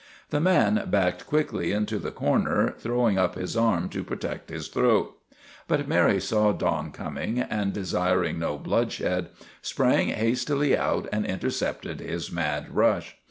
The man backed quickly into the corner, throwing up his arm to protect his throat. But Mary saw Don coming, and desiring no bloodshed, sprang hastily out and intercepted his mad rush.